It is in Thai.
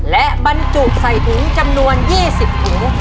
และบรรจุใส่ถุงจำนวนยี่สิบถุง